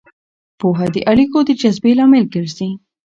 پوهه د اړیکو د جذبې لامل ګرځي.